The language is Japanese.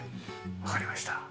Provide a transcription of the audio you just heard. わかりました。